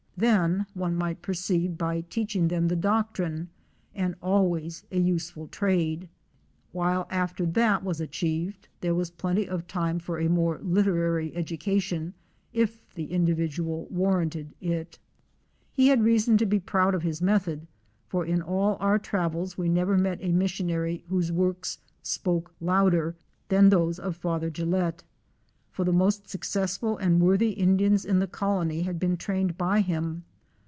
Then one might proceed by teaching them the doctrine, and always a useful trade, while after that was achieved there was plenty of time for a more literary education, if the individual warranted it. He had reason to be proud of his method, for in all our travels we never met a missionary whose works "spoke louder"' than those of Father Gillett; for the most successful and worthy Indians in the colony had been trained by him.